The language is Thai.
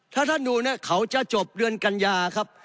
ถ้าท่านดูเนี่ยเขาจะจบเดือนกัญญาครับ